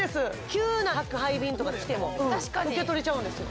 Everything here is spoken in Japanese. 急な宅配便とか来ても受け取れちゃうんですよ